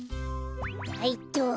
はいっと。